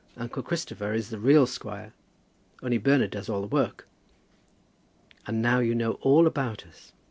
Uncle Christopher is the real squire; only Bernard does all the work. And now you know all about us.